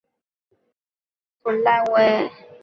弗莱维。